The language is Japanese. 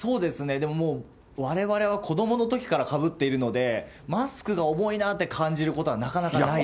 でもわれわれは子どものときからかぶっているので、マスクが重いなって感じることはなかなかないですね。